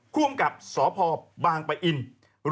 คุ้มกับสพปริยินทร์